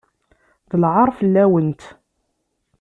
D lɛaṛ fell-awent!